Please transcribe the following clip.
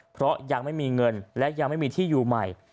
เพราะยังไม่มีเงินและยังไม่มีที่อยู่ใหม่